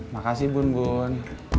makasih bun bun